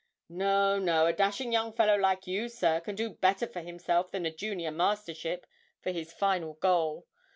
No, no, a dashing young fellow like you, sir, can do better for himself than a junior mastership for his final goal.